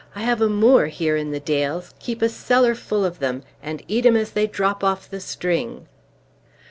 I have a moor here in the dales, keep a cellar full of them, and eat 'em as they drop off the string."